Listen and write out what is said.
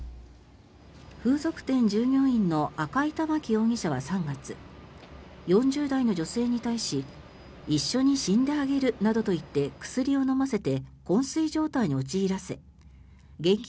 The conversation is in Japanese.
風俗店従業員の赤井環容疑者は３月４０代の女性に対し一緒に死んであげるなどと言って薬を飲ませてこん睡状態に陥らせ現金